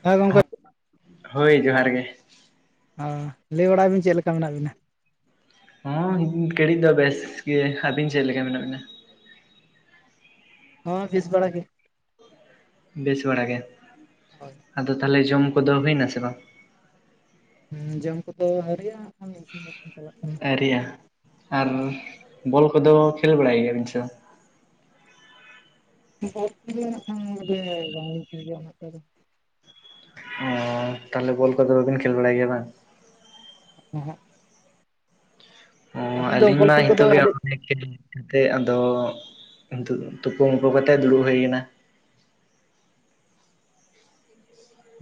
ᱦᱮᱸ ᱜᱚᱝᱠᱮ ᱦᱳᱭ ᱡᱚᱦᱟᱨ ᱜᱮ᱾ ᱚ ᱞᱮᱭ ᱵᱟᱲᱟᱭᱵᱤᱱ ᱪᱮᱜ ᱞᱮᱠᱟ ᱢᱮᱱᱟᱜ ᱵᱤᱱᱟ? ᱦᱚᱸ ᱱᱤᱛ ᱜᱷᱟᱹᱲᱤᱡ ᱫᱚ ᱵᱮᱥ ᱜᱮ᱾ ᱟᱹᱵᱤᱱ ᱪᱮᱜ ᱞᱮᱠᱟ ᱢᱮᱱᱟᱜ ᱵᱤᱱᱟ? ᱦᱚᱸ ᱵᱮᱥ ᱵᱟᱲᱟ ᱜᱮ᱾ ᱵᱮᱥ ᱵᱟᱲᱟ ᱜᱮ᱾ ᱦᱳᱭ ᱟᱫᱚ ᱛᱟᱦᱞᱮ ᱡᱚᱢ ᱠᱚᱫᱚ ᱦᱩᱭᱱᱟ ᱥᱮ ᱵᱟᱝ? ᱦᱮᱸ ᱡᱚᱢ ᱠᱚᱫᱚ ᱟᱹᱣᱨᱤᱭᱟᱜᱼᱟ᱾ ᱟᱹᱨᱤᱭᱟᱜ-ᱟ ᱟᱨ ᱦᱳᱭ ᱵᱚᱞ ᱠᱚᱫᱚ ᱠᱷᱮᱞ ᱵᱟᱲᱟᱭ ᱜᱮᱭᱟᱵᱤᱱ ᱥᱮᱚ ᱵᱟᱝ? [unintelligible] ᱵᱟᱝ ᱞᱤᱧ ᱠᱷᱮᱞ ᱜᱮᱭᱟ ᱚᱱᱟᱹᱜ ᱴᱟ ᱫᱚ᱾ ᱚᱻ ᱛᱟᱦᱚᱞᱮ ᱵᱚᱞ ᱠᱚᱫᱚ ᱵᱟᱹᱵᱤᱱ ᱠᱷᱮᱞ ᱵᱟᱲᱟᱭ ᱜᱮᱭᱟ ᱵᱟᱝ? ᱩᱦᱩᱸᱜ ᱚ ᱟᱹᱵᱤᱱ ᱫᱚ ᱟᱹᱞᱤᱧ ᱵᱚᱞ ᱢᱟ ᱠᱷᱮᱞ ᱠᱚᱫᱚ ᱤᱱᱛᱚᱜ ᱜᱮ ᱟᱹᱰᱤ [unintelligible] ᱠᱟᱛᱮᱜ ᱟᱫᱚ ᱛᱩᱯᱩᱢᱳᱯᱳ ᱠᱟᱛᱮᱫ ᱫᱩᱲᱩᱵ ᱦᱩᱭ ᱠᱟᱱᱟ᱾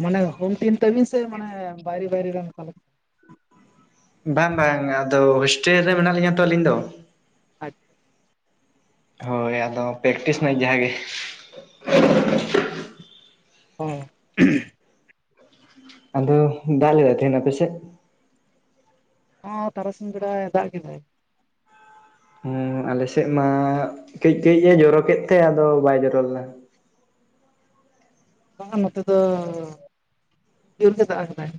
ᱢᱟᱱᱮ ᱦᱳᱢ ᱴᱤᱢ ᱛᱟᱹᱵᱤᱱ ᱥᱮ ᱢᱟᱱᱮ ᱵᱟᱭᱨᱮ ᱵᱟᱭᱨᱮ ᱨᱮᱱ ᱠᱟ ᱵᱟᱝ ᱵᱟᱝ ᱟᱫᱚ ᱦᱳᱥᱴᱮᱞ ᱨᱮ ᱢᱮᱱᱟᱜ ᱞᱤᱧᱟ ᱛᱚ ᱟᱹᱞᱤᱧ ᱫᱚ᱾ ᱟᱪᱪᱷᱟ ᱦᱳᱭ ᱟᱫᱚ ᱯᱮᱠᱴᱤᱥ ᱱᱟᱭ ᱡᱟᱦᱟᱸ ᱜᱮ᱾ ᱦᱩᱸ ᱟᱫᱚ ᱫᱟᱜ ᱞᱮᱫᱟᱭ ᱛᱮᱦᱮᱱ ᱟᱯᱮᱥᱮᱜ? ᱦᱚᱸ ᱛᱟᱨᱟᱥᱤᱧ ᱵᱮᱲᱟᱲ ᱫᱟᱜ ᱠᱮᱫᱟᱭ᱾ ᱦᱮᱸ ᱟᱞᱮᱥᱮᱜ ᱢᱟ ᱠᱟᱹᱡ ᱠᱟᱹᱡ ᱮ ᱡᱚᱨᱚ ᱠᱮᱜ ᱛᱮ ᱟᱫᱚ ᱵᱟᱭ ᱡᱚᱨᱚᱞᱫᱟ᱾ ᱵᱟᱝᱟ ᱱᱚᱛᱮ ᱫᱚ ᱡᱳᱨ ᱜᱮ ᱫᱟᱜ ᱠᱟᱫᱟᱭ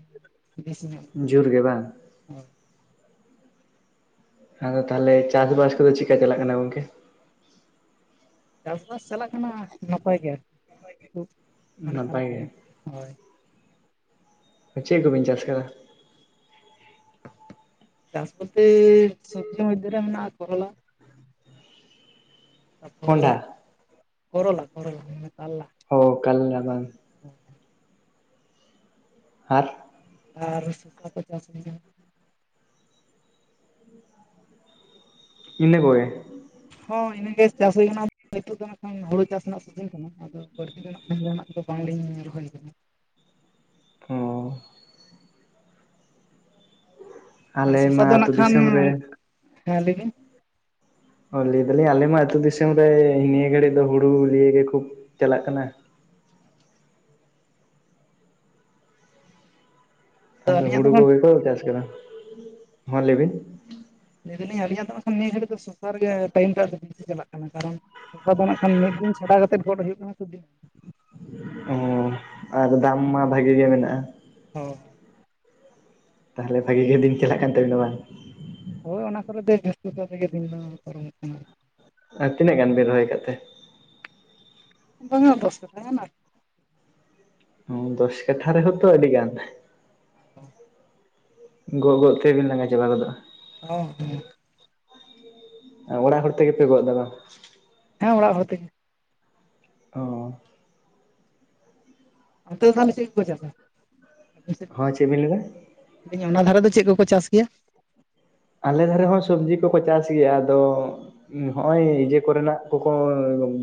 ᱵᱮᱥᱤ ᱧᱚᱜ᱾ ᱡᱳᱨ ᱜᱮ ᱵᱟᱝ? ᱦᱳᱭ ᱟᱫᱚ ᱛᱟᱦᱚᱞᱮ ᱪᱟᱥᱵᱟᱥ ᱠᱚᱫᱚ ᱪᱮᱜᱠᱟ ᱪᱟᱞᱟᱜ ᱠᱟᱱᱟ ᱜᱚᱝᱠᱮ? ᱪᱟᱥᱵᱟᱥ ᱪᱟᱞᱟᱜ ᱠᱟᱱᱟ ᱱᱟᱯᱟᱭ ᱜᱮ, ᱠᱷᱩᱵ ᱢᱟᱱᱮ ᱠᱷᱟᱨᱟᱯ ᱱᱟᱯᱟᱭ ᱫᱚ ᱜᱮ ᱵᱟᱝ ᱦᱳᱭ᱾ ᱪᱮᱜ ᱠᱚᱵᱤᱱ ᱪᱟᱥ ᱠᱟᱫᱟ? ᱪᱟᱥ ᱵᱚᱞᱛᱮ ᱥᱚᱵᱽᱡᱤ ᱢᱚᱫᱷᱮ ᱨᱮ ᱢᱮᱱᱟᱹᱜᱼᱟ ᱠᱚᱨᱚᱞᱟ᱾ ᱛᱟᱯᱚᱨ ᱠᱚᱸᱰᱷᱟ? ᱠᱚᱨᱚᱞᱟ ᱠᱚᱨᱞᱟ ᱢᱟᱱᱮ ᱠᱟᱞᱞᱟ᱾ ᱚ ᱠᱟᱹᱞᱞᱟ ᱵᱟᱝ? ᱟᱨ ᱟᱨ ᱥᱚᱥᱟ ᱠᱚ ᱪᱟᱥ ᱢᱮᱱᱟᱜᱼᱟ᱾ ᱤᱱᱟᱹ ᱠᱚᱜᱮ? ᱦᱚᱸ ᱤᱱᱟᱹ ᱜᱮ ᱪᱟᱥ ᱦᱩᱭ ᱠᱟᱱᱟ ᱱᱤᱛᱚᱜ ᱫᱚ ᱱᱟᱸᱜ ᱠᱷᱚᱱ ᱦᱳᱲᱳ ᱪᱟᱥ ᱱᱟᱜ ᱥᱤᱡᱤᱱ ᱠᱟᱱᱟ᱾ ᱟᱫᱚ ᱵᱟᱹᱲᱛᱤ ᱫᱚ ᱱᱟᱹᱜ ᱠᱷᱟᱡ ᱡᱟᱦᱟᱱᱟᱜ ᱠᱚᱫᱚ ᱵᱟᱝᱞᱤᱧ ᱨᱚᱦᱚᱭ ᱠᱟᱫᱟ᱾ ᱚ ᱟᱨ ᱟᱞᱮ ᱢᱟ ᱥᱚᱥᱟ ᱫᱚ ᱟᱹᱛᱩ ᱱᱟᱜ ᱠᱷᱟᱱ, ᱫᱤᱥᱚᱢ ᱨᱮ ᱦᱮᱸ ᱞᱟᱹᱭᱵᱤᱱ᱾ ᱚ ᱞᱟᱹᱭ ᱫᱟᱞᱤᱧ ᱟᱞᱮᱢᱟ ᱟᱹᱛᱩ ᱫᱤᱥᱚᱢ ᱨᱮ ᱱᱤᱭᱟᱹ ᱜᱷᱟᱹᱲᱤᱡ ᱫᱚ ᱦᱩᱲᱩ ᱞᱤᱭᱮ ᱜᱮ ᱠᱚ ᱪᱟᱞᱟᱜ ᱠᱟᱱᱟ᱾ ᱟᱫᱚ ᱟᱹᱞᱤᱧᱟᱜ ᱫᱚ ᱦᱩᱲᱩ ᱠᱷᱟᱱ ᱠᱚᱜᱮ ᱠᱚ ᱪᱟᱥ ᱠᱟᱫᱟ ᱦᱚᱸ ᱞᱮᱵᱤᱱ᱾ ᱞᱮᱹᱭ ᱫᱟᱞᱤᱧ ᱟᱞᱤᱧᱟᱜ ᱫᱚ ᱮᱠᱷᱚᱱ ᱱᱤᱭᱟᱹ ᱜᱷᱟᱹᱲᱤᱡ ᱫᱚ ᱥᱚᱥᱟᱨᱮ ᱜᱮ ᱴᱟᱭᱤᱢ ᱫᱚ ᱦᱟᱸᱜ [unintelligible] ᱫᱚ ᱵᱮᱥᱤ ᱪᱟᱞᱟᱜ ᱠᱟᱱᱟ, ᱠᱟᱨᱚᱱ ᱥᱚᱥᱟ ᱫᱚ ᱱᱟᱜ ᱠᱷᱟᱱ ᱢᱤᱫ ᱫᱤᱱ ᱪᱷᱟᱰᱟ ᱠᱟᱛᱮᱫ ᱜᱚᱰ ᱦᱩᱭᱩᱜ ᱠᱟᱱᱟ ᱥᱮ ᱫᱤᱱ ᱚ ᱟᱨ ᱫᱟᱢ ᱢᱟ ᱵᱷᱟᱜᱮ ᱜᱮ ᱢᱮᱱᱟᱜᱼᱟ? ᱦᱚᱸ ᱛᱟᱦᱚᱞᱮ ᱵᱷᱟᱹᱜᱮ ᱜᱮ ᱫᱤᱱ ᱪᱟᱞᱟᱜ ᱠᱟᱱ ᱛᱟᱵᱤᱱᱟ ᱵᱟᱝ ᱦᱳᱭ ᱚᱱᱟ ᱠᱚᱨᱮ ᱫᱚ ᱡᱟᱹᱥᱛᱤ ᱠᱟᱭ ᱛᱮᱜᱮ ᱫᱤᱱ ᱢᱟ ᱯᱚᱨᱚᱢᱚᱜ ᱠᱟᱱᱟ᱾ ᱟᱨ ᱛᱤᱱᱟᱹᱜ ᱜᱟᱱ ᱵᱮᱱ ᱨᱚᱦᱚᱭ ᱟᱠᱟᱫ ᱛᱮ? [unintelligible] ᱫᱚᱥ ᱠᱟᱴᱷᱟ ᱨᱮ ᱦᱚᱛᱚ ᱟᱹᱰᱤ ᱜᱟᱱ [unintelligible] ᱜᱚᱜ ᱜᱚᱜ ᱛᱮᱵᱤᱱ ᱞᱟᱸᱜᱟ ᱪᱟᱵᱟ ᱜᱚᱫᱚᱜᱼᱟ ᱾ ᱦᱮ ᱦᱮᱸ ᱚᱲᱟᱜ ᱦᱚᱲ ᱛᱮᱜᱮᱯᱮ ᱜᱚᱜ ᱫᱟ ᱵᱟᱝ ᱦᱮᱸ ᱚᱲᱟᱜ ᱦᱚᱲ ᱛᱮᱜᱮ ᱾ ᱚᱸ ᱚᱱᱛᱮ ᱫᱚ ᱛᱟᱦᱚᱞᱮ ᱪᱮᱜ ᱠᱚᱠᱚ ᱪᱟᱥᱟ ᱟᱵᱮᱱ ᱥᱮᱱ ᱚᱱᱛᱮ? ᱦᱚᱸ ᱪᱮᱫ ᱵᱤᱱ ᱞᱟᱹᱭ ᱮᱫᱟ? ᱢᱮᱫᱟᱹᱧ ᱚᱱᱟ ᱫᱷᱟᱨᱮ ᱫᱚ ᱪᱮᱫ ᱠᱚᱠᱚ ᱪᱟᱥ ᱜᱮᱭᱟ? ᱟᱞᱮ ᱫᱷᱟᱨᱮ ᱦᱚᱸ ᱥᱚᱵᱽᱡᱤ ᱠᱚᱠᱚ ᱪᱟᱥ ᱜᱮᱭᱟ ᱟᱫᱚ ᱦᱚᱜ ᱚᱚᱭ ᱤᱭᱟᱹᱮ ᱠᱚᱨᱮᱱᱟᱜ ᱠᱚᱠᱚ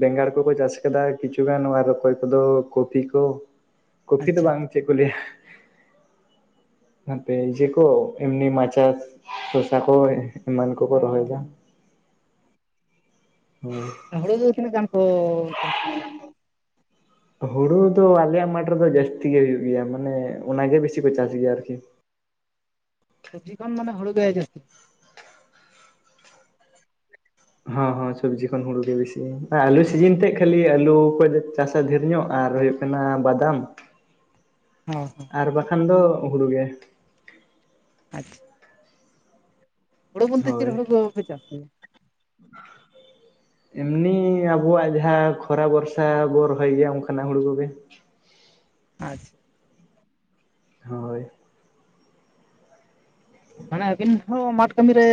ᱵᱮᱸᱜᱟᱲ ᱠᱚᱠᱚ ᱪᱟᱥ ᱟᱠᱟᱫᱟ ᱠᱤᱪᱷᱩᱩᱜᱟᱱ ᱟᱨ ᱚᱠᱚᱭ ᱠᱚᱫᱚ ᱠᱚᱯᱤ ᱠᱚ ᱠᱚᱯᱷᱤ ᱫᱚ ᱟᱪᱪᱷᱟ ᱵᱟᱝ ᱟᱪᱪᱷᱟ ᱪᱮᱫ ᱞᱟᱭᱟ ᱦᱟᱯᱮ ᱤᱭᱟ ᱠᱚ ᱮᱢ ᱢᱟᱪᱷᱟ ᱥᱚᱥᱟ ᱠᱚ ᱮᱢᱟᱱ ᱠᱚᱠᱚ ᱨᱚᱦᱚᱭ ᱦᱚᱸ ᱫᱟ ᱾ ᱦᱮᱸ ᱦᱩᱲᱩ ᱫᱚ ᱛᱤᱱ ᱜᱟᱱ ᱠᱚ ᱪᱟᱥ ᱦᱩᱲᱩ ᱫᱚ ᱟᱞᱮᱭᱟᱜ ᱢᱟᱴᱷ ᱨᱮᱫᱚ ᱡᱟᱹᱥᱛᱤ ᱜᱮ ᱦᱩᱭᱩᱜ ᱜᱮᱭᱟ ᱢᱟᱱᱮ ᱚᱱᱟᱜᱮ ᱵᱤᱥᱤ ᱠᱚ ᱪᱟᱥ ᱜᱮᱭᱟ ᱟᱨᱠᱤ ᱥᱚᱵᱡᱤ ᱠᱷᱚᱱ ᱢᱟᱱᱮ ᱦᱩᱭᱟᱭ ᱡᱟᱹᱥᱛᱤ ᱦᱮᱸ ᱦᱮᱸ ᱥᱚᱵᱽᱡᱤ ᱠᱷᱚᱱ ᱦᱩᱲᱩ ᱜᱮ ᱵᱤᱥᱤ ᱟᱞᱩ ᱥᱤᱡᱤᱱ ᱛᱮ ᱠᱷᱟᱹᱞᱤ ᱟᱞᱩ ᱠᱚ ᱪᱟᱥᱟ ᱰᱷᱮᱨ ᱧᱚᱜ ᱟᱨ ᱦᱩᱭᱩᱜ ᱠᱟᱱᱟ ᱚᱱᱟ ᱵᱟᱫᱟᱢ ᱦᱮ ᱦᱮᱸ ᱟᱨ ᱵᱟᱠᱷᱟᱱ ᱫᱚ ᱦᱩᱲᱩ ᱜᱮ ᱟᱪᱪᱷᱟ ᱦᱳᱲᱩ ᱵᱚᱞᱛᱮ ᱪᱮᱫ ᱦᱳᱭ ᱦᱳᱲᱩ ᱵᱟᱯᱮ ᱪᱟᱥ ᱜᱮᱭᱟ? [unintelligible] ᱮᱢᱱᱤ ᱟᱵᱚᱣᱟᱜ ᱡᱟᱦᱟᱸ ᱠᱷᱚᱨᱟ ᱵᱷᱚᱨᱥᱟ ᱵᱚ ᱨᱚᱦᱚᱭ ᱜᱮᱭᱟ ᱚᱱᱠᱟᱱᱟᱜ ᱦᱩᱲᱩ ᱠᱚᱜᱮ ᱟᱪᱪᱷᱟ ᱦᱳᱭ ᱢᱟᱱᱮ ᱟᱹᱵᱤᱱ ᱦᱚᱸ ᱢᱟᱴᱷ ᱠᱟᱹᱢᱤᱨ ᱨᱮ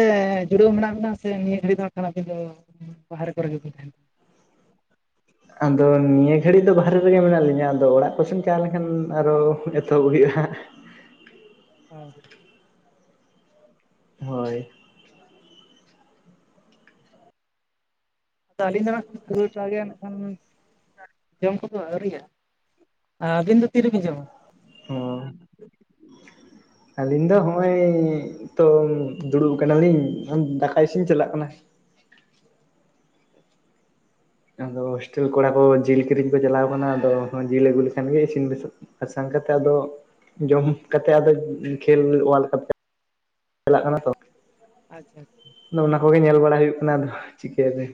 ᱡᱩᱲᱟᱹᱣ ᱢᱮᱱᱟᱜ ᱵᱤᱱᱟ ᱥᱮ ᱱᱤᱭᱟᱹ ᱜᱷᱟᱹᱲᱤᱡ ᱫᱚ ᱠᱷ ᱟᱹᱵᱤᱱ ᱫᱚ ᱯᱟᱦᱟᱨ ᱠᱚᱨᱮ ᱜᱮ ᱵᱮᱱ ᱛᱟᱦᱮᱱᱟ ᱟᱫᱚ ᱱᱤᱭᱟᱹ ᱜᱷᱟᱹᱲᱤᱡ ᱫᱚ ᱵᱟᱦᱦᱨᱮ ᱨᱮᱜᱮ ᱢᱮᱱᱟᱜ ᱞᱤᱧᱟᱹ ᱟᱫᱚ ᱚᱲᱟᱜ ᱠᱚᱥᱱ ᱪᱟᱣ ᱞᱮᱱᱠᱷᱟᱱ ᱟᱨᱚ [unintelligible] ᱛᱚ ᱦᱩᱭᱩᱜᱼᱟ ᱦᱟᱸᱜ ᱦᱟᱸ ᱦᱳᱭ ᱟᱹᱞᱤᱧ [unintelligible] ᱴᱟᱜᱮ ᱱᱟᱜ ᱠᱷᱟᱱ ᱡᱚᱢ ᱠᱚᱫᱚ ᱟᱹᱣᱨᱤᱭᱟᱜ ᱟᱨ ᱟᱹᱵᱤᱱ ᱫᱚ ᱛᱤᱨᱮᱵᱤᱱ ᱡᱚᱢᱟ? ᱚ [unintelligible] ᱟᱹᱞᱤᱧ ᱫᱚ ᱦᱚᱜᱼ ᱚᱭ ᱛᱚ ᱫᱩᱲᱩᱵ ᱠᱟᱱᱟᱞᱤᱧ ᱫᱟᱠᱟᱭ ᱤᱥᱤᱱ ᱪᱟᱞᱟᱜ ᱠᱟᱱᱟ ᱾ ᱟᱫᱚ ᱦᱳᱥᱴᱮᱞ ᱠᱚᱲᱟ ᱠᱚ ᱡᱤᱞ ᱠᱤᱨᱤᱧ ᱠᱚ ᱪᱟᱞᱟᱣ ᱟᱠᱟᱱᱟ ᱟᱫᱚ ᱡᱤᱞ ᱟᱹᱜᱩ ᱞᱮᱠᱷᱟᱱ ᱜᱮ ᱤᱥᱤᱱ ᱵᱟᱥᱚ ᱟᱨᱥ ᱠᱟᱛᱮᱮᱫ ᱟᱫᱚ ᱡᱚᱢ ᱠᱟᱛᱮ ᱟᱫᱚ ᱠᱷᱮᱞ ᱚᱟᱨᱞᱰ ᱠᱟᱯ [unintelligible] ᱪᱟᱞᱟᱜ ᱠᱟᱱᱟ ᱛᱚ ᱟᱪᱪᱷᱟ ᱟᱪᱪᱷᱟ ᱟᱫᱚ ᱚᱱᱟ ᱠᱚᱜᱮ ᱧᱮᱞ ᱵᱟᱲᱟ ᱦᱩᱭᱩᱜ ᱠᱟᱱᱟ ᱪᱤᱠᱟᱹᱛᱮ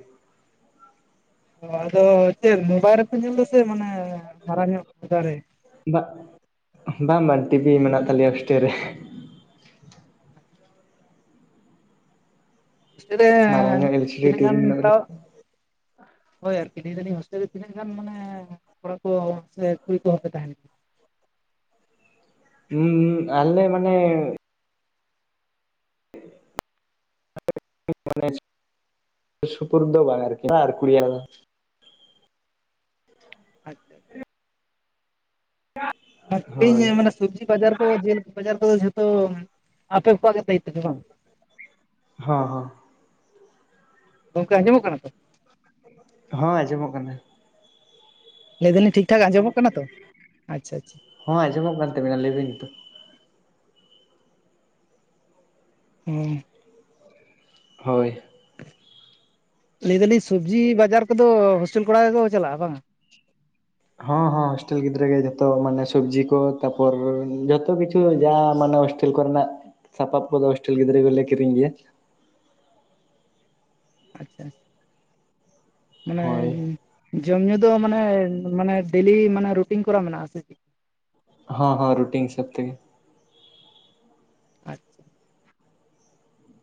ᱚ ᱟᱫᱚ ᱪᱮᱫ ᱢᱳᱵᱟᱭᱤᱞ ᱨᱮᱯᱮ ᱧᱮᱞ ᱫᱟ ᱪᱮ ᱢᱟᱱᱮ ᱢᱟᱨᱟᱝ ᱧᱚᱜ ᱚᱡᱟᱨᱮ ᱵᱟᱝ ᱵᱟᱝ ᱵᱟᱝ ᱴᱤᱵᱷᱤ ᱢᱮᱱᱟᱜ ᱛᱟᱞᱮᱭᱟ ᱦᱥᱴᱮᱞ ᱨᱮ ᱾ ᱦᱚᱥᱴᱮᱞ ᱨᱮ ᱢᱟᱨᱟᱝ ᱧᱚᱜ ᱮᱞ ᱥᱤ ᱰᱤ ᱛᱤᱱᱟᱹᱜ ᱜᱟᱱ ᱴᱤᱵᱷᱤ ᱢᱮᱱᱟᱜ ᱛᱟᱞᱮᱭᱟ ᱱᱤᱛᱚᱜ? ᱦᱳᱭ ᱟᱨᱠᱤ ᱞᱟᱹᱭᱞᱤᱡᱧ ᱦᱳᱥᱴᱮᱞ ᱨᱮ ᱛᱤᱱᱟᱹᱜ ᱜᱟᱱ ᱢᱟᱱᱮ ᱠᱚᱲᱟ ᱠᱚ ᱥᱮ ᱠᱩᱲᱤ ᱠᱚᱦᱚᱸ ᱯᱮ ᱛᱟᱦᱮᱱ ᱜᱮᱭᱟ [unintelligible] ᱦᱩᱸ ᱦ ᱟᱞᱮ ᱢᱟᱱᱮ ᱾ [unintelligible] ᱥᱩᱯᱩᱨᱫ ᱵᱟᱝ ᱟᱱ ᱟᱨ ᱠᱤᱲᱤᱭᱟ [unintelligible] ᱟᱪᱪᱷᱟ ᱚᱱᱟ ᱠᱤᱨᱤᱧ ᱦᱳᱭ ᱢᱟᱱᱮ ᱥᱚᱵᱡᱤ ᱵᱟᱡᱟᱨ ᱠᱚ ᱡᱮᱞ ᱵᱟᱡᱟᱨ ᱠᱚᱫᱚ ᱡᱷᱚᱛᱚ ᱟᱯᱮ ᱠᱚᱣᱟᱜ ᱜᱮ ᱫᱟᱭᱤ ᱛᱚ ᱵᱟᱝ? ᱦᱚᱸ ᱦᱚᱸ ᱜᱚᱢᱠᱮ ᱟᱸᱡᱚᱢᱚᱜ ᱠᱟᱱᱟ ᱛᱚ? ᱦᱚᱸ ᱟᱸᱡᱚᱢᱚᱜ ᱠᱟᱱᱟ ᱞᱟᱹᱭ ᱮᱫᱟᱞᱤᱧ ᱴᱷᱤᱠ ᱴᱷᱟᱠ ᱟᱸᱡᱚᱢᱚᱜ ᱠᱟᱱᱟ ᱛᱚ ᱟᱪᱪᱷᱟ ᱟᱪᱪᱷᱟ ᱦᱚᱭ ᱚᱸᱡᱚᱢᱚᱜ ᱠᱟᱱ ᱛᱟᱵᱤᱱᱟ ᱞᱟᱹᱭᱵᱤᱱ ᱱᱤᱛᱚᱜ᱾ ᱦᱮᱸ [unintelligible] ᱦᱳᱭ ᱞᱟᱹᱭ ᱫᱟᱞᱤᱧ ᱥᱚᱵᱽᱡᱤ ᱵᱟᱡᱟᱨ ᱠᱚᱫᱚ ᱦᱳᱥᱴᱮᱞ ᱠᱚᱲᱟ ᱜᱮᱠᱚ ᱪᱟᱞᱟᱜᱼᱟ ᱵᱟᱝᱼᱟ? ᱦᱚ ᱦᱚ ᱦᱚᱥᱴᱮᱞ ᱜᱤᱫᱽᱨᱟᱹ ᱜᱮ ᱡᱚᱛᱚ ᱢᱟᱱᱮ ᱥᱚᱵᱽᱡᱤ ᱠᱚ ᱛᱟᱯᱚᱨ ᱡᱚᱛᱚ ᱠᱤᱪᱷᱩ ᱡᱟ ᱢᱟᱱᱮ ᱦᱳᱥᱴᱮᱞ ᱠᱚᱨᱮᱱᱟᱜ ᱥᱟᱯᱟᱵ ᱠᱚᱫᱚ ᱦᱳᱥᱴᱮᱞ ᱜᱤᱫᱽᱨᱟᱹ ᱠᱚᱞᱮ ᱠᱤᱨᱤᱧ ᱜᱮᱭᱟ ᱟᱪᱪᱷᱟ ᱟᱪᱪᱷᱟ ᱦᱳᱭ ᱢᱟᱱᱮ ᱡᱚᱢ ᱧᱩᱩ ᱫᱚ ᱢᱟᱱᱮ ᱢᱟᱱᱮ ᱰᱮᱞᱤ ᱢᱟᱱᱮ ᱨᱩᱴᱤᱱ ᱠᱚᱨᱟ ᱢᱮᱱᱟᱜ-ᱟ ᱥᱮ ᱪᱮᱫ? ᱦᱚᱸ ᱦᱚᱸ ᱨᱩᱴᱤᱱ ᱦᱤᱥᱟᱵ ᱛᱮᱜᱮ ᱟᱪᱪᱷᱟ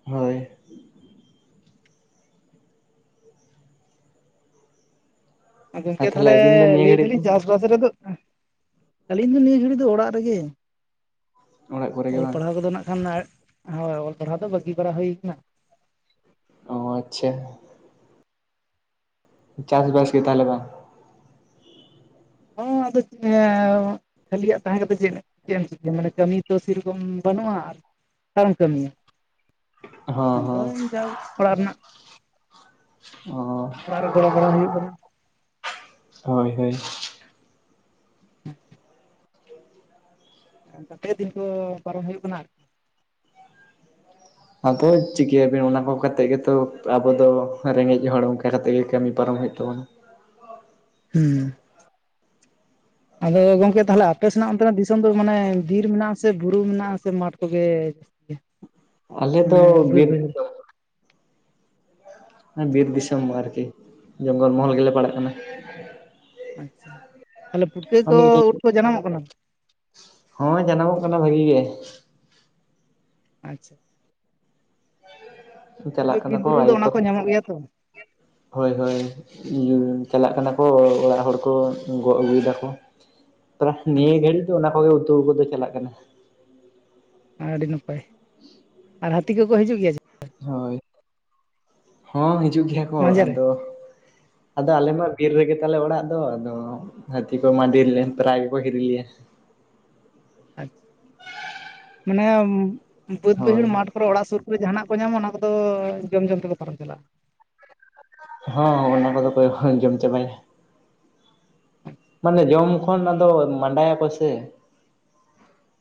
ᱦᱳᱭ ᱟᱨ ᱜᱚᱝᱠᱮ ᱛᱟᱦᱚᱞᱮ ᱟᱹᱵᱤᱱ ᱫᱚ ᱱᱤᱭᱟᱹ ᱞᱟᱹᱭ ᱜᱷᱟᱹᱲᱤᱡ ᱮᱫᱟᱞᱤᱧ ᱫᱚ ᱪᱟᱥ ᱵᱟᱥ ᱨᱮᱫᱚ ᱟᱹᱞᱤᱧ ᱫᱚ ᱱᱤᱭᱟᱹ ᱜᱷᱟᱹᱲᱤ ᱫᱚ ᱚᱲᱟᱜ ᱨᱮᱜᱮ᱾ ᱚᱲᱟᱜ ᱠᱚᱨᱮ ᱜᱮ ᱚᱞ ᱵᱟᱝ ᱯᱟᱲᱦᱟᱣ ᱠᱚᱫᱚ ᱱᱟᱜ ᱠᱷᱟᱱ ᱦᱳᱭ ᱚᱞ ᱯᱟᱲᱦᱟᱣ ᱫᱚ ᱵᱟᱹᱜᱤ ᱵᱟᱲᱟ ᱦᱩᱭ ᱟᱠᱟᱱᱟ᱾ ᱚ ᱟᱪᱪᱷᱟ᱾ ᱪᱟᱥ ᱵᱟᱥ ᱫᱚ ᱛᱟᱦᱚᱞᱮ ᱵᱟᱝ? ᱦᱚ ᱟᱫᱚ [unintelligible] ᱠᱷᱟᱹᱞᱤᱭᱟᱜ ᱛᱟᱦᱮᱸ ᱠᱟᱛᱮ ᱪᱮᱫ ᱪᱮᱫ ᱮᱢ ᱪᱮᱠᱟᱭᱟ ᱢᱟᱱᱮ ᱠᱟᱹᱢᱤ ᱛᱚ ᱥᱮᱨᱚᱠᱚᱢ ᱵᱟᱹᱱᱩᱜᱼᱟ ᱟᱨ ᱚᱠᱟᱨᱮᱢ ᱠᱟᱹᱢᱤᱭᱟ ᱦᱚᱸ ᱟᱫᱚ ᱦᱚᱸ ᱚᱱᱠᱟ ᱚᱲᱟᱜ ᱨᱮᱱᱟᱜ ᱚ ᱚᱲᱟᱜ ᱜᱚᱲᱚ ᱵᱟᱲᱟ ᱦᱩᱭᱩᱜ ᱠᱟᱱᱟ᱾ ᱦᱳᱭ ᱦᱳᱭ᱾ ᱚᱱᱠᱟ ᱛᱮᱜᱮ ᱫᱤᱱ ᱠᱚ ᱯᱟᱨᱚᱢ ᱦᱩᱭᱩᱜ ᱠᱟᱱᱟ᱾ ᱟᱫᱚ ᱪᱤᱠᱟᱹᱭᱟ ᱵᱤᱱ ᱚᱱᱟ ᱠᱚ ᱠᱟᱛᱮ ᱜᱮᱛᱚ ᱟᱵᱚ ᱫᱚ ᱨᱮᱸᱜᱮᱡ ᱦᱚᱲ ᱚᱱᱠᱟ ᱠᱟᱛᱮ ᱜᱮ ᱠᱟᱹᱢᱤ ᱯᱟᱨᱚᱢ ᱦᱩᱭᱩᱜ ᱛᱟᱵᱚᱱᱟ᱾ ᱦᱩᱸ ᱟᱫᱚ ᱜᱚᱝᱠᱮ ᱛᱟᱦᱚᱞᱮ ᱟᱯᱮ ᱥᱮᱱᱟᱜ ᱚᱱᱛᱮᱱᱟᱜ ᱫᱤᱥᱚᱢ ᱫᱚ ᱢᱟᱱᱮ ᱵᱤᱨ ᱢᱮᱱᱟᱜᱼᱟᱥᱮ ᱵᱩᱨᱩ ᱢᱮᱱᱟᱜᱼᱟᱥᱮ ᱢᱟᱴ ᱠᱚᱜᱮ ᱡᱟᱹᱥᱛᱤ? ᱟᱞᱮ ᱫᱚ ᱢᱟᱱᱮ ᱵᱟᱹᱫ ᱵᱤᱨ ᱵᱟᱹᱭᱦᱟᱹᱲ ᱫᱤᱥᱚᱢ᱾ ᱵᱤᱨ ᱟᱪᱪᱷᱟ ᱫᱤᱥᱚᱢ ᱟᱨᱠᱤ ᱡᱚᱝᱜᱚᱞ ᱢᱚᱦᱚᱞ ᱜᱮᱞᱮ ᱯᱟᱲᱟᱜ ᱠᱟᱱᱟᱹ ᱾ ᱟᱪᱪᱷᱟ ᱛᱟᱦᱚᱞᱮ ᱯᱩᱴᱠᱟᱹ ᱠᱚ ᱩᱴ ᱠᱚ ᱡᱟᱱᱟᱢᱚᱜ ᱠᱟᱱᱟ? ᱦᱳᱭ ᱡᱟᱱᱟᱢᱚᱜ ᱠᱟᱱᱟ ᱵᱷᱟᱹᱜᱤ ᱜᱮ᱾ ᱟᱪᱪᱷᱟ ᱪᱟᱞᱟᱜ ᱦᱳᱭ ᱠᱟᱱᱟ ᱵᱤᱨ ᱠᱚ ᱵᱩᱨᱩ ᱨᱮᱫᱚ ᱟᱭᱳ ᱚᱱᱟ ᱛᱟᱠᱚ ᱧᱟᱢᱚᱜ ᱜᱮᱭᱟ ᱛᱚ ᱦᱳᱭ ᱦᱳᱭ᱾ ᱪᱟᱞᱟᱜ ᱠᱟᱱᱟ ᱠᱚ ᱚᱲᱟᱜ ᱦᱚᱲ ᱠᱚ ᱜᱚᱜ ᱟᱹᱜᱩᱭᱮ ᱫᱟᱠᱚ᱾ ᱯᱟᱨ ᱱᱤᱭᱟᱹ ᱟᱪᱪᱷᱟ ᱜᱷᱟᱹᱲᱤᱡ ᱫᱚ ᱚᱱᱟ ᱠᱚᱜᱮ ᱩᱛᱩ ᱠᱚ ᱫᱚ ᱪᱟᱞᱟᱜ ᱠᱟᱱᱟ᱾ ᱟᱹᱰᱤ ᱱᱟᱯᱟᱭ ᱟᱨ ᱦᱟᱹᱛᱤ ᱠᱚᱠᱚ ᱦᱤᱡᱩᱜ ᱜᱮᱭᱟ? ᱦᱳᱭ ᱦᱚᱸ ᱦᱤᱡᱩᱜ ᱜᱮᱭᱟ ᱠᱚ ᱢᱟᱡᱷᱮ ᱨᱮ ᱟᱫᱚ ᱟᱫᱚ ᱟᱞᱮ ᱢᱟ ᱵᱤᱨ ᱨᱮᱜᱮ ᱛᱟᱞᱮ ᱚᱲᱟᱜ ᱫᱚ ᱟᱫᱚ ᱦᱟᱹᱛᱤ ᱠᱚ ᱢᱟ ᱫᱤᱱ ᱜᱮ ᱯᱨᱟᱭ ᱜᱮᱠᱚ ᱦᱤᱨᱤ ᱞᱮᱭᱟ᱾ ᱟᱪᱪᱷᱟ ᱢᱟᱱᱮ ᱵᱟᱹᱫᱽ ᱵᱟᱹᱭᱦᱟᱹᱲ ᱦᱳᱭ ᱢᱟᱴᱷ ᱛᱟᱯᱚᱨ ᱚᱲᱟᱜ ᱥᱩᱨ ᱨᱮ ᱡᱟᱦᱟᱱᱟᱜ ᱠᱚ ᱧᱟᱢᱟ ᱚᱱᱟ ᱠᱚᱫᱚ ᱡᱚᱢ ᱡᱚᱢ ᱛᱮᱠᱚ ᱯᱟᱨᱚᱢ ᱪᱟᱞᱟᱜᱼᱟ᱾ ᱦᱚᱸ ᱚᱱᱟ ᱠᱚᱫᱚ ᱠᱚ ᱡᱚᱢ ᱪᱟᱵᱟᱭᱟ᱾ ᱢᱟᱱᱮ ᱡᱚᱢ ᱠᱷᱚᱱ ᱟᱫᱚ ᱢᱟᱰᱟ ᱭᱟᱠᱚ ᱥᱮ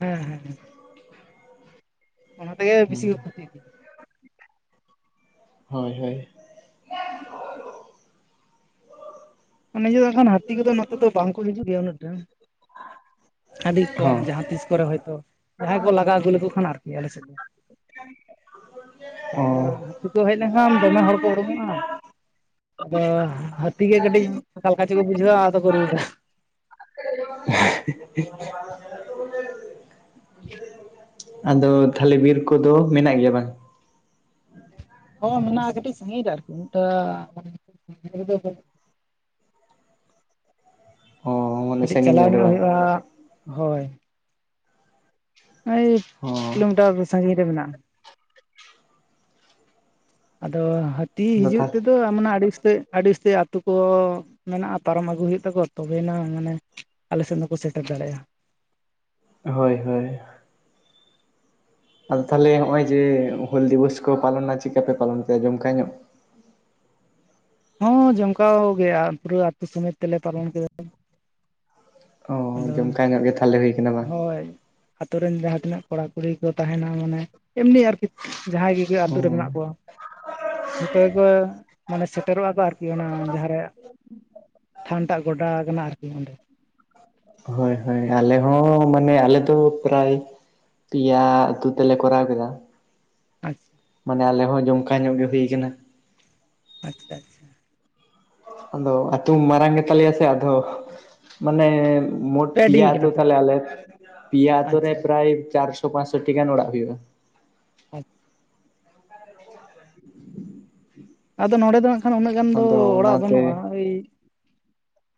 ᱦᱮᱸ ᱦᱮᱸ ᱦᱮᱸ ᱚᱱᱟ ᱛᱮᱜᱮ ᱵᱤᱥᱤ ᱠᱚ ᱠᱷᱚᱛᱤ ᱤᱫᱤᱭᱟ᱾ ᱦᱳᱭ ᱦᱳᱭ ᱚᱱᱮ ᱡᱮ ᱱᱟᱠᱷᱟᱱ ᱦᱟᱹᱛᱤ ᱠᱚᱫᱚ ᱱᱚᱛᱮ ᱫᱚ ᱵᱟᱝᱠᱚ ᱦᱤᱡᱩᱜ ᱜᱮᱭᱟ ᱩᱱᱟᱹᱜ ᱴᱟ᱾ ᱟᱹᱰᱤ ᱠᱚᱢ ᱦᱚᱸ ᱡᱟᱦᱟᱸ ᱛᱤᱥ ᱠᱚᱨᱮ ᱦᱚᱭᱛᱳ ᱡᱟᱦᱟᱸᱭ ᱠᱚ ᱞᱟᱜᱟᱣ ᱟᱹᱜᱩ ᱞᱮᱠᱚ ᱠᱷᱟᱱ ᱟᱨᱠᱤ ᱟᱞᱮ ᱥᱮᱫ ᱫᱚ᱾ ᱚ ᱛᱯᱚᱨᱮ ᱦᱟᱹᱛᱤ ᱠᱚ ᱦᱮᱡ ᱞᱮᱱᱠᱷᱟᱱ ᱫᱚᱢᱮ ᱦᱚᱲ ᱠᱚ ᱩᱰᱩᱠᱚᱜᱼᱟ ᱟᱫᱚ ᱦᱟᱹᱛᱤ ᱜᱮ ᱠᱟᱹᱴᱤᱡ ᱚᱠᱟᱞᱮᱠᱟ ᱪᱚᱠᱚ ᱵᱩᱡᱣᱟ-ᱟ ᱟᱫᱚ ᱠᱚ ᱨᱩᱣᱟᱹᱲᱟ᱾ [unintelligible] [inaudible] ᱟᱫᱚ ᱛᱟᱦᱚᱞᱮ ᱵᱤᱨ ᱠᱚᱫᱚ ᱢᱮᱱᱟᱜ ᱜᱮᱭᱟ ᱵᱟᱝ? ᱦᱚᱸ ᱢᱮᱱᱟᱜᱼᱟ ᱠᱟᱹᱴᱤᱡ ᱥᱟᱺᱜᱤᱧ ᱨᱮ ᱟᱨᱠᱤ ᱢᱤᱫᱴᱟ ᱠᱩᱲᱤ ᱜᱤᱫᱽᱨᱟᱹ ᱫᱚ ᱵᱟᱹᱱᱩᱜ ᱚ ᱢᱟᱱᱮ ᱠᱟᱹᱴᱤᱡ ᱥᱟᱺᱜᱤᱧ ᱪᱟᱞᱟᱣ ᱨᱮ ᱧᱚᱜ ᱵᱟᱝ ᱦᱩᱭᱩᱜᱼᱟ ᱦᱳᱭ ᱳᱭ ᱚ ᱠᱤᱞᱳᱢᱤᱴᱟᱨ ᱥᱟᱺᱜᱤᱧ ᱨᱮ ᱢᱮᱱᱟᱜᱼᱟ᱾ ᱟᱫᱚ ᱦᱟᱹᱛᱤ ᱟᱫᱚ ᱦᱤᱡᱩᱜ ᱛᱟᱦᱚᱞᱮ ᱛᱮᱫᱚ ᱢᱟᱱᱮ ᱟᱹᱰᱤ ᱩᱥᱛᱟᱹᱭ ᱟᱹᱰᱤ ᱩᱥᱛᱟᱹᱭ ᱟᱹᱛᱩ ᱠᱚ ᱢᱮᱱᱟᱜᱼᱟ ᱯᱟᱨᱚᱢ ᱟᱹᱜᱩ ᱦᱩᱭᱩᱜ ᱛᱟᱠᱚᱣᱟ ᱛᱚᱵᱮᱭᱱᱟ ᱢᱟᱱᱮ, ᱟᱞᱮᱥᱮᱫ ᱫᱚᱠᱚ ᱥᱮᱴᱮᱨ ᱫᱟᱲᱮᱭᱟᱜᱼᱟ᱾ ᱦᱳᱭ ᱦᱳᱭ᱾ ᱟᱫᱚ ᱛᱟᱦᱚᱞᱮ ᱱᱚᱜᱼᱚᱭ ᱡᱮ ᱦᱩᱞ ᱫᱤᱵᱚᱥ ᱠᱚ ᱯᱟᱞᱚᱱᱟ ᱪᱮᱫᱠᱟ ᱯᱮ ᱯᱟᱞᱚᱱ ᱠᱮᱫᱟ ᱡᱚᱢᱠᱟ ᱧᱚᱜ? ᱦᱚᱸ ᱡᱚᱱᱠᱟᱣ ᱜᱮᱭᱟ ᱯᱩᱨᱟᱹ ᱟᱹᱛᱩ ᱥᱚᱢᱮᱛ ᱛᱮᱞᱮ ᱯᱟᱞᱚᱱ ᱠᱮᱫᱟ᱾ ᱚ ᱟᱫᱚ ᱡᱚᱢᱠᱟ ᱧᱚᱜ ᱜᱮ ᱛᱟᱦᱚᱞᱮ ᱦᱩᱭᱩᱜ ᱦᱳᱭ ᱟᱛᱳ ᱨᱮᱱ ᱡᱟᱦᱟᱸ ᱛᱤᱱᱟᱹᱜ ᱠᱚᱲᱟ ᱠᱩᱲᱤ ᱠᱚ ᱛᱟᱦᱮᱱᱟ ᱢᱟᱱᱮ ᱮᱢᱱᱤ ᱟᱨᱠᱤ ᱡᱟᱦᱟᱸᱭ ᱜᱮᱜᱮ ᱚ ᱟᱹᱛᱩᱨ ᱨᱮ ᱢᱮᱱᱟᱜ ᱠᱚᱣᱟ᱾ ᱡᱚᱛᱚ ᱜᱮᱠᱚ ᱢᱟᱱᱮ ᱥᱮᱴᱮᱨᱚᱜᱼᱟ ᱠᱚ ᱟᱨᱠᱤ ᱚᱱᱟ ᱡᱟᱦᱟᱸᱨᱮ ᱥᱟᱱᱴᱟᱜ ᱜᱚᱰᱟ ᱠᱟᱱᱟ ᱟᱨᱠᱤ ᱚᱸᱰᱮ᱾ ᱦᱳᱭ ᱦᱳᱭ ᱟᱞᱮ ᱦᱚᱸ ᱢᱟᱱᱮ ᱟᱞᱮ ᱫᱚ ᱯᱨᱟᱭ ᱯᱮᱭᱟ ᱟᱛᱩ ᱛᱮᱞᱮ ᱠᱚᱨᱟᱣ ᱠᱮᱫᱟ᱾ ᱟᱪᱪᱷᱟ ᱢᱟᱱᱮ ᱟᱞᱮ ᱦᱚᱸ ᱡᱚᱢᱠᱟ ᱧᱚᱜ ᱜᱮ ᱦᱩᱭ ᱠᱟᱱᱟ᱾ ᱟᱪᱪᱷᱟ ᱟᱪᱪᱷᱟ ᱟᱫᱚ ᱟᱹᱛᱩ ᱢᱟᱨᱟᱝ ᱜᱮᱛᱟᱞᱮᱭᱟ ᱥᱮ ᱟᱫᱚ, ᱢᱟᱱᱮ ᱢᱳᱴ ᱯᱮ ᱟᱹᱰᱤ ᱯᱮᱭᱟ ᱟᱹᱛᱩ ᱠᱟᱱᱟ ᱯᱮ ᱛᱟᱞᱮ ᱟᱞᱮ ᱯᱮᱭᱟ ᱟᱛᱳ ᱨᱮ ᱟᱪᱪᱷᱟ ᱯᱨᱟᱭ ᱪᱟᱨᱥᱚ ᱯᱟᱸᱪᱥᱚᱴᱤ ᱜᱟᱱ ᱚᱲᱟᱜ ᱦᱩᱭᱩᱜᱼᱟ᱾ ᱟᱪᱪᱷ [inaudible] ᱟᱫᱚ ᱱᱚᱸᱰᱮ ᱫᱚ ᱱᱟᱜ ᱠᱷᱟᱱ ᱩᱱᱟᱹᱜ ᱜᱟᱱ ᱫᱚ ᱟᱫᱚ ᱚᱲᱟᱜ ᱚᱱᱟᱛᱮ ᱵᱟᱹᱱᱩᱜᱼᱟ ᱳᱭ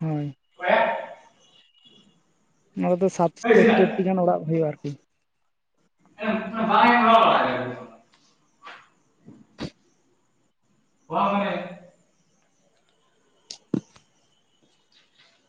ᱦᱳᱭ ᱱᱚᱸᱰᱮ ᱫᱚ ᱥᱟᱴ ᱥᱳᱛᱛᱳᱨᱴᱤ ᱜᱟᱱ ᱚᱲᱟᱜ ᱦᱩᱭᱩᱜᱼᱟ ᱟᱨᱠᱤ᱾ [unintelligible] [unintelligible]